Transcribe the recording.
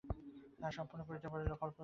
তাহা সম্পন্ন করিতে পারিলে ফলপ্রাপ্তি গৌণ কথা।